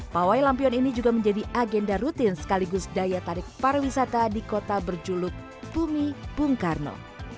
pemilikan lampion ini juga menjadi agenda rutin sekaligus daya tarik para wisata di kota berjulut bumi bung karno